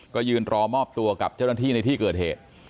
ก็ยืนรอมอบตัวกับเจ้าหน้าที่ในที่เกิดเหตุ